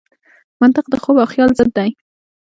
منطق د خوب او خیال ضد دی.